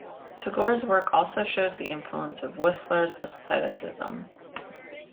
Tagore's work also shows the influence of Whistler's Aestheticism.